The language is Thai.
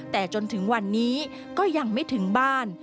แต่จนถึงวันนี้ก็ยังไม่ถึงบ้าน